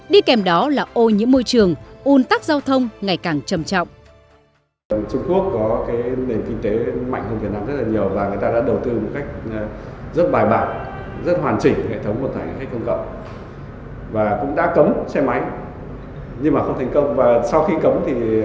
đi kèm đó là ô nhiễm môi trường un tắc giao thông ngày càng trầm trọng